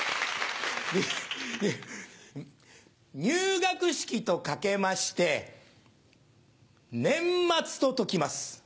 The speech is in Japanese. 入学式と掛けまして年末と解きます。